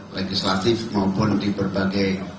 legislatif maupun di berbagai